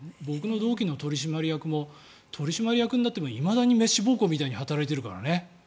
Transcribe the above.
僕の同期の取締役も取締役になってもいまだに滅私奉公みたいに働いてるからね。